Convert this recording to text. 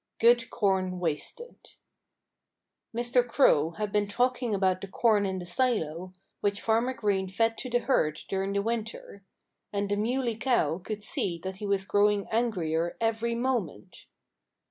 XX GOOD CORN WASTED Mr. Crow had been talking about the corn in the silo, which Farmer Green fed to the herd during the winter. And the Muley Cow could see that he was growing angrier every moment.